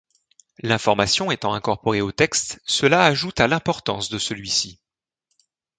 L'information étant incorporée au texte, cela ajoute à l'importance de celui-ci.